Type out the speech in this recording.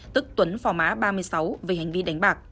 tức tuấn phỏ mã ba mươi sáu